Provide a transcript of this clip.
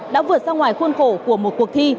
đã vượt ra ngoài khuôn khổ của một cuộc thi